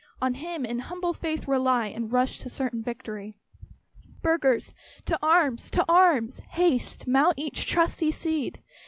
On Him in humble faith rely, And rush to certain victory. Burghers! to arms! to arms! Haste, mount each trusty steed!